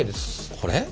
これ？